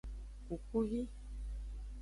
Kukuvi.